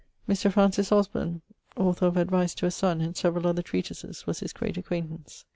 Mr. Francis Osburne, author of 'Advice to a son' and severall other treatises, was his great acquaintance.